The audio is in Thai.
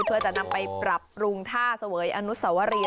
เพื่อจะนำไปปรับปรุงท่าเสวยอนุสวรี